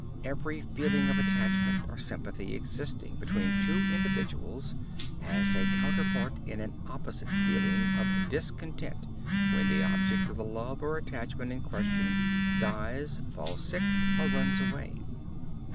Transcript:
Every feeling of attachment or sympathy existing between two individuals has a counterpart in an opposite feeling of discontent when the object of the love or attachment in question dies, falls sick, or runs away.